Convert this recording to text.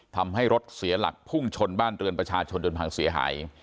ทำให้รถเสียหลักพุ่งชนบ้านเรือนประชาชนจนพังเสียหาย